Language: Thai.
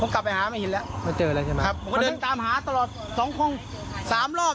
ผมก็เดินตามหาตลอด๒๓รอบ